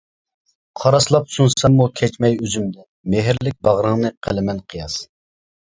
قاراسلاپ سۇنساممۇ كەچمەي ئۆزۈمدىن، مېھىرلىك باغرىڭنى قىلىمەن قىياس.